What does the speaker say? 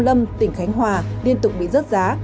lâm tỉnh khánh hòa liên tục bị rớt giá